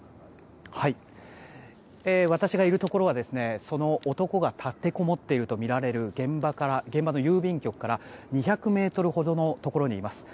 私がいるところはその男が立てこもっているとみられる現場の郵便局から２００ｍほどのところにいます。